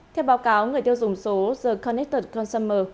theo báo cáo người tiêu dùng số the connited consumer